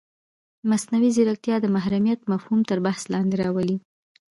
مصنوعي ځیرکتیا د محرمیت مفهوم تر بحث لاندې راولي.